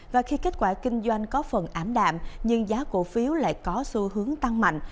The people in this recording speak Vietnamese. và khi kết quả kinh doanh có phần ảm đạm nhưng giá cổ phiếu lại có xu hướng tăng mạnh